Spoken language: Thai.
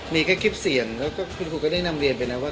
มีแค่คลิปเสียงแล้วก็คุณครูก็ได้นำเรียนไปนะว่า